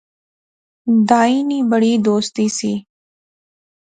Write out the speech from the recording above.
دائیں نی بڑی دوستی سی